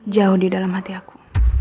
jauh di dalam hati aku